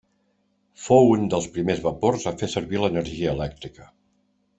Fou un dels primers vapors a fer servir l'energia elèctrica.